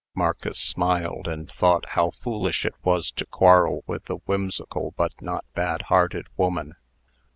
Marcus smiled, and thought how foolish it was to quarrel with the whimsical but not bad hearted woman.